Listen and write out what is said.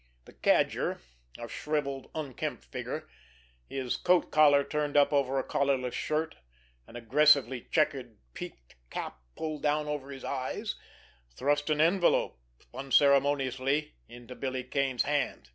The Cadger, a shrivelled, unkempt figure, his coat collar turned up over a collarless shirt, an aggressively checkered peak cap pulled far down over his eyes, thrust an envelope unceremoniously into Billy Kane's hand.